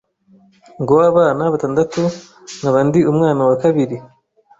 ngo w’abana batandatu nkaba ndi umwana wa kabiri,